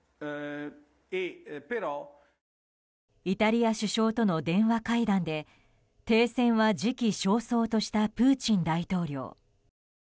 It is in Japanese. イタリア首相との電話会談で停戦は時期尚早としたプーチン大統領。